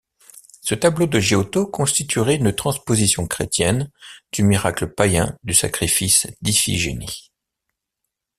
Ce tableau de Giotto constituerait une transposition chrétienne du miracle païen du sacrifice d’Iphigénie.